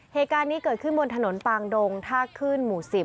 เหตุการณ์นี้เกิดขึ้นบนถนนปางดงท่าขึ้นหมู่๑๐